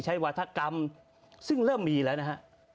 วาธกรรมซึ่งเริ่มมีแล้วนะฮะ